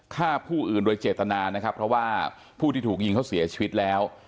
ฆ่าผู้อื่นโดยเจตนานะครับเพราะว่าผู้ที่ถูกยิงเขาเสียชีวิตแล้ว